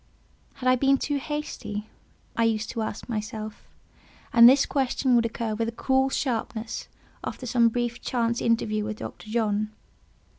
Had I been too hasty? I used to ask myself; and this question would occur with a cruel sharpness after some brief chance interview with Dr. John.